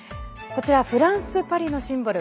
フランス・パリのシンボル